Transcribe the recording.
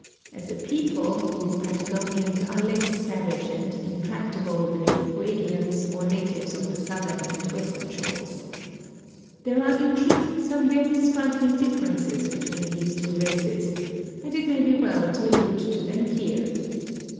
Asa people these Patagonians are less savage and intractable than the Fue gians or natives of the southern and western shores. There are in truth some very striking differences between these two races, and it may be well to allude to them here.